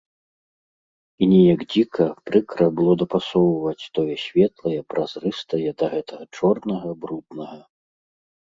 І неяк дзіка, прыкра было дапасоўваць тое светлае, празрыстае да гэтага чорнага, бруднага.